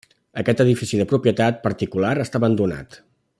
Aquest edifici de propietat particular està abandonat.